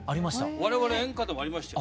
我々演歌でもありましたよ。